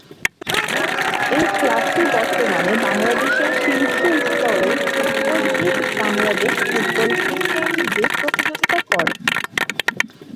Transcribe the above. এই ক্লাবটি বর্তমানে বাংলাদেশের শীর্ষ স্তরের football league Bangladesh football premier লীগে প্রতিযোগিতা করে।